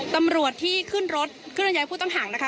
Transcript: ตำรวจที่ขึ้นรถเคลื่อนย้ายผู้ต้องหานะคะ